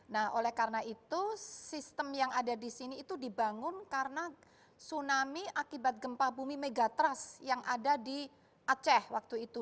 nah oleh karena itu sistem yang ada di sini itu dibangun karena tsunami akibat gempa bumi megatrust yang ada di aceh waktu itu